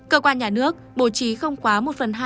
cơ quan nhà nước bổ trí không quá một phần hai